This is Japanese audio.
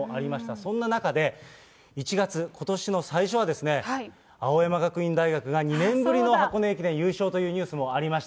そんな中で、１月、ことしの最初は、青山学院大学が２年ぶりの箱根駅伝優勝というニュースもありまし